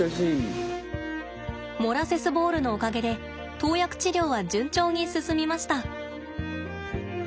モラセスボールのおかげで投薬治療は順調に進みました。